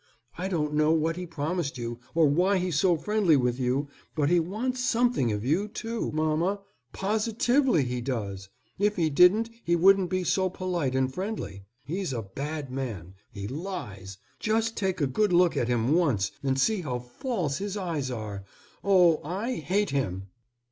I don't know what he promised you, or why he's so friendly with you, but he wants something of you, too, mamma, positively he does. If he didn't, he wouldn't be so polite and friendly. He's a bad man. He lies. Just take a good look at him once, and see how false his eyes are. Oh, I hate him!"